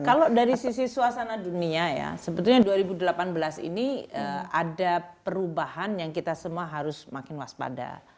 kalau dari sisi suasana dunia ya sebetulnya dua ribu delapan belas ini ada perubahan yang kita semua harus makin waspada